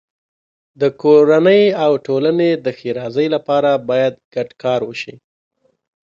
د کورنۍ او ټولنې د ښېرازۍ لپاره باید ګډ کار وشي.